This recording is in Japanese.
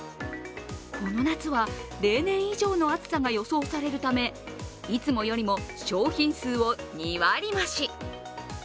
この夏は例年以上の暑さが予想されるため、いつもよりも商品数を２割増し。